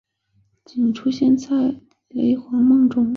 仅出现在雷凰梦中。